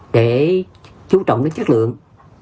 để chú trọng đến chất lượng